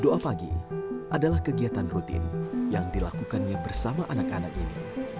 doa pagi adalah kegiatan rutin yang dilakukannya bersama anak anak ini